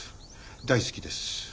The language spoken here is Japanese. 大好きです。